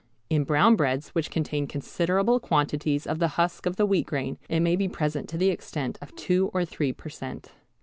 In brown breads which contain considerable quantities of the husk of the wheat grain it may be present to the extent of two or three per cent.